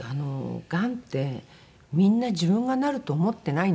がんってみんな自分がなると思ってないんですよね。